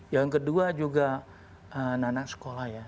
yang kedua juga anak anak sekolah ya